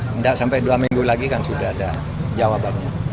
tidak sampai dua minggu lagi kan sudah ada jawabannya